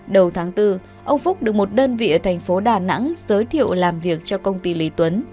đầu tháng bốn ông phúc được một đơn vị ở thành phố đà nẵng giới thiệu làm việc cho công ty lý tuấn